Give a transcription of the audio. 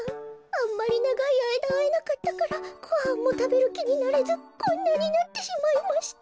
あんまりながいあいだあえなかったからごはんもたべるきになれずこんなになってしまいました。